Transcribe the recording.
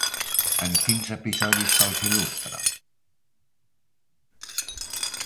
En quins episodis se'ls il·lustra?